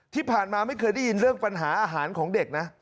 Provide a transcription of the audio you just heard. ที่ผ่านมาไม่เคยได้ยินเรื่องปัญหาอาหารของเด็กนะ